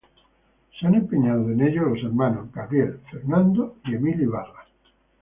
Se han empeñado en ello los hermanos Gabriel, Fernando y Emilio Ybarra.